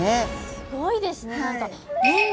すごいですね。